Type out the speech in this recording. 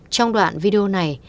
trong đoạn video này